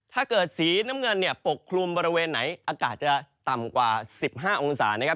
ถ้าเกิดสีน้ำเงินปกคลุมบริเวณไหนอากาศจะต่ำกว่า๑๕องศานะครับ